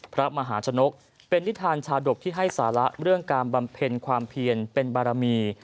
พระมหาชนกเป็นนิทานชาดกที่ให้สาระเรื่องการบำเพ็ญความเพียรเป็นบารมี